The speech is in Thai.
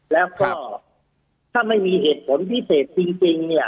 แล้วก็ถ้าไม่มีเหตุผลพิเศษจริงเนี่ย